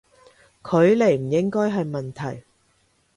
距離唔應該係問題